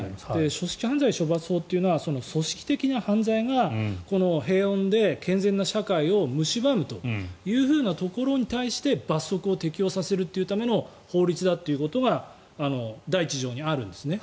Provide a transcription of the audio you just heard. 組織犯罪処罰法というのは組織的な犯罪が平穏で健全な社会をむしばむというところに対して罰則を適用させるための法律だということが第１条にあるんですね。